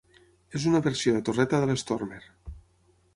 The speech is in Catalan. És una versió de torreta de l'Stormer.